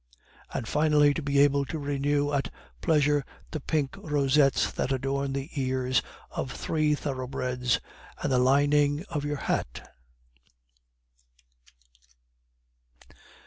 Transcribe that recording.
and finally, to be able to renew at pleasure the pink rosettes that adorn the ears of three thoroughbreds and the lining of your hat?